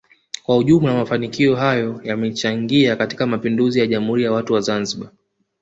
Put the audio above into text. kwa ujumla mafanikio hayo yamechangia katika mapinduzi ya jamhuri ya watu wa Zanzibar